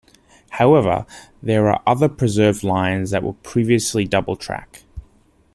However, there are other preserved lines that were previously double track.